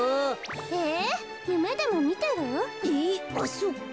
えっゆめでもみてる？えっあっそっか。